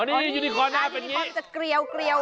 อ๋อที่นี่ยูนิคอร์นน่าจะเป็นนี้